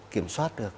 kiểm soát được